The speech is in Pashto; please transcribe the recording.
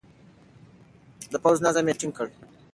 د پوځ نظم يې ټينګ کړ.